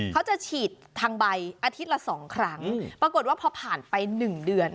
เขาจะฉีดทางใบอาทิตย์ละ๒ครั้งปรากฏว่าพอผ่านไป๑เดือน